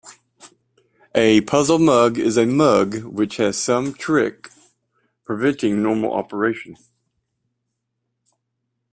A puzzle mug is a mug which has some trick preventing normal operation.